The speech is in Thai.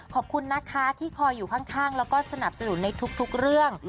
ขอบคุณนะคะที่คอยอยู่ข้างแล้วก็สนับสนุนในทุกเรื่อง